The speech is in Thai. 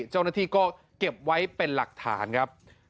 เจ้าหน้าที่ก็เก็บไว้เป็นหลักฐานครับ